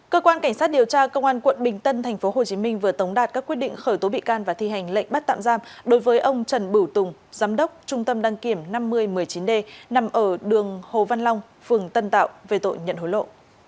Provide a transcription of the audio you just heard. cơ quan cảnh sát điều tra công an quận bình tân tp hcm vừa tống đạt các quyết định khởi tố bị can và thi hành lệnh bắt tạm giam đối với ông trần bửu tùng giám đốc trung tâm đăng kiểm năm mươi một mươi chín d nằm ở đường hồ văn long phường tân tạo về tội nhận hối lộ